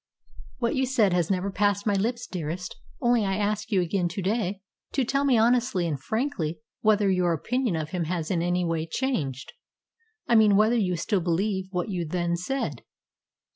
"What you said has never passed my lips, dearest. Only, I ask you again to day to tell me honestly and frankly whether your opinion of him has in any way changed. I mean whether you still believe what you then said."